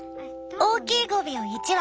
大きいゴビを１羽。